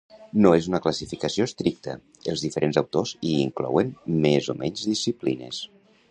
No és una classificació estricta, els diferents autors i inclouen més o menys disciplines.